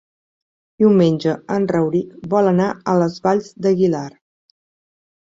Diumenge en Rauric vol anar a les Valls d'Aguilar.